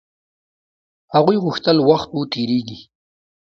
هغوی غوښتل وخت و تېريږي.